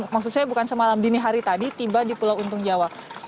maksud saya bukan semalam dini hari tadi tiba di pulau untung jawa